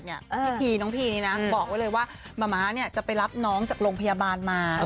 พิธีน้องพีนี้นะบอกไว้เลยว่ามะม้าจะไปรับน้องจากโรงพยาบาลมา